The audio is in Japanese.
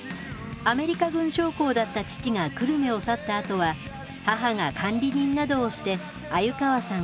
アメリカ軍将校だった父が久留米を去ったあとは母が管理人などをして鮎川さんを育てました。